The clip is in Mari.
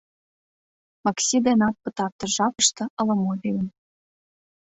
Макси денат пытартыш жапыште ала-мо лийын.